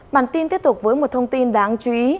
bản tin tiếp tục với một thông tin đáng chú ý